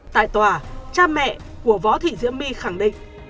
tại tòa cha mẹ của võ thị diễm my khẳng định